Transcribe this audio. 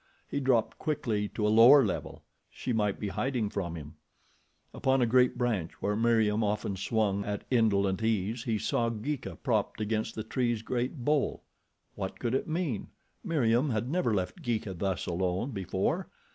He dropped quickly to a lower level. She might be hiding from him. Upon a great branch where Meriem often swung at indolent ease he saw Geeka propped against the tree's great bole. What could it mean? Meriem had never left Geeka thus alone before.